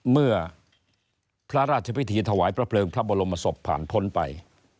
เมื่อพระราชพิธีถวายพระเพลิงพระบรมศพผ่านพ้นไป